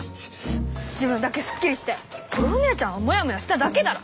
自分だけすっきりしておようねえちゃんはモヤモヤしただけだろ！